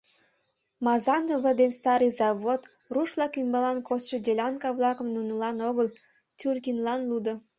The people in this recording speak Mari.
Мазаново ден Старый Завод руш-влак ӱмбалан кодшо делянка-влакым нунылан огыл, Тюлькинлан лудо.